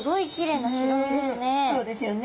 そうですよね。